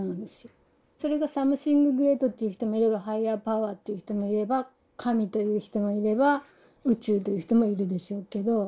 それがサムシング・グレートっていう人もいればハイアーパワーという人もいれば神という人もいれば宇宙という人もいるでしょうけど。